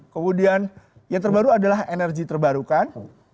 kemudian yang terbaru adalah energi terbarukan